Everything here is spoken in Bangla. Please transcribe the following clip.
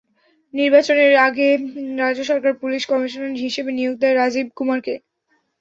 নির্বাচনের আগে রাজ্য সরকার পুলিশ কমিশনার হিসেবে নিয়োগ দেয় রাজীব কুমারকে।